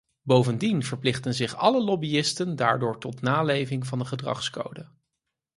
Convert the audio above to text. Bovendien verplichten zich alle lobbyisten daardoor tot naleving van een gedragscode.